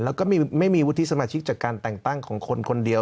แล้วก็ไม่มีวุฒิสมาชิกจากการแต่งตั้งของคนคนเดียว